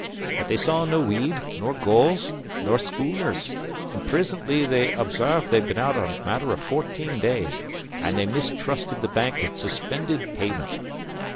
But they saw no weed, nor gulls, nor schooners; an' prisintly they obsarved they'd bin out a matter o' fourteen days and they mis trusted the Bank has suspinded payment.